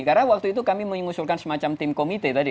karena waktu itu kami mengusulkan semacam tim komite tadi